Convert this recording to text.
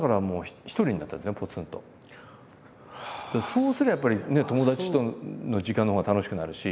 そうすればやっぱりね友達との時間のほうが楽しくなるし。